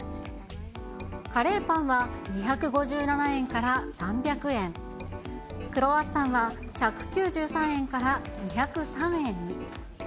カレーパンは２５７円から３００円、クロワッサンは１９３円から２０３円に。